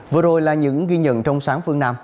vừa rồi là những ghi nhận trong sáng phương nam